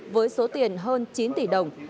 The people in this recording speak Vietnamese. với số tiền hơn chín tỷ đồng